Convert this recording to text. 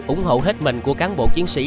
ủng hộ hết mình của cán bộ chiến sĩ